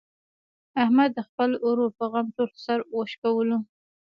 احمد د خپل ورور په غم ټول سر و شکولو.